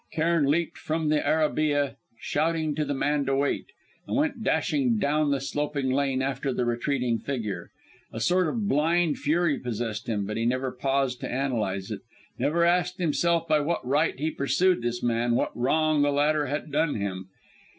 Cairn leaped from the arabîyeh, shouting to the man to wait, and went dashing down the sloping lane after the retreating figure. A sort of blind fury possessed him, but he never paused to analyse it, never asked himself by what right he pursued this man, what wrong the latter had done him.